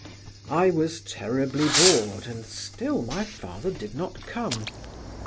I was terribly bored, and still my father did not come.